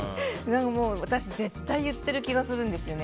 私、絶対言ってる気がするんですよね。